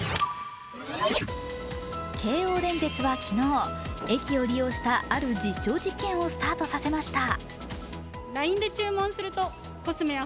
京王電鉄は昨日、駅を利用したある実証実験をスタートさせました。